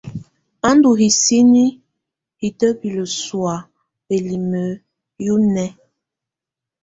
Á ndù hisini hitibilǝ sɔ̀á ǝlimǝ yɛ ɔnɛ̀á.